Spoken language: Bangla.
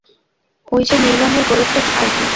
অই যে নীল রঙের গোলকটা আরকি!